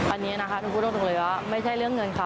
อันนี้นะคะหนูพูดตรงเลยว่าไม่ใช่เรื่องเงินค่ะ